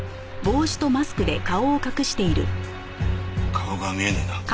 顔が見えないな。